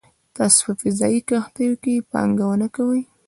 تاسو په فضايي کښتیو کې پانګونه کوئ